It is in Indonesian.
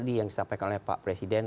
tadi yang disampaikan oleh pak presiden